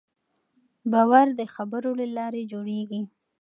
باور د خبرو له لارې جوړېږي.